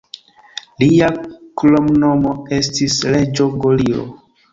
Lia kromnomo estis 'Reĝo Gorilo'.